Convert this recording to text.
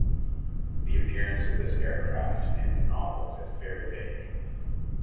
The appearance of this aircraft in the novel is very vague.